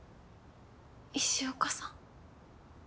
石岡さん？